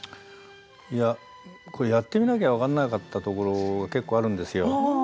いや、これやってみなきゃ分からなかったところ、結構あるんですよ。